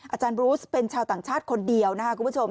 อาจารย์บรูสเป็นชาวต่างชาติคนเดียวนะครับคุณผู้ชม